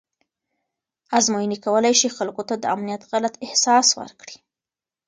ازموینې کولی شي خلکو ته د امنیت غلط احساس ورکړي.